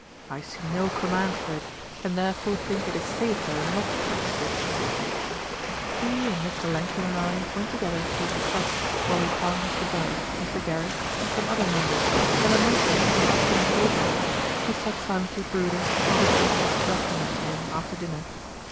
I see no command for it, and therefore think it is safer not to practise it.' He and Mr. Langton and I went together to THE CLUB, where we found Mr. Burke, Mr. Garrick, and some other members, and amongst them our friend Goldsmith, who sat silently brooding over Johnson's reprimand to him after dinner.